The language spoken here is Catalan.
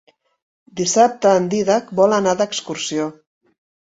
Dissabte en Dídac vol anar d'excursió.